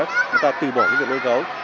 người ta từ bỏ những người nuôi cấu